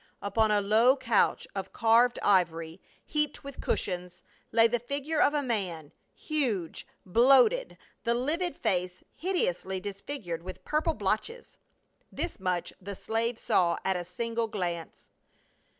Upon a low couch of carved ivor>', heaped with cushions, lay the figure of a man, huge, bloated, the livid face hideously disfigured with purple blotches., This much the slave saw at a single glance.